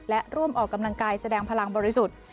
และร่วมออกกำลังกายแสดงพลังบริสุทธิ์